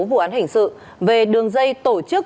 vụ án hình sự về đường dây tổ chức